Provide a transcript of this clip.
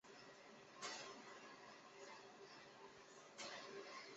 德木寺是位于中国西藏自治区林芝市巴宜区米瑞乡的一座藏传佛教格鲁派寺院。